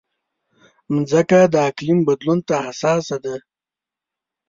مځکه د اقلیم بدلون ته حساسه ده.